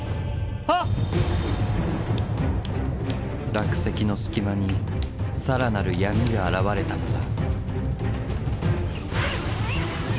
落石の隙間に更なる闇が現れたのだ。